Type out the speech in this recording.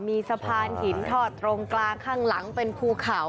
มีสะพานหินทอดตรงกลางข้างหลังเป็นภูเขา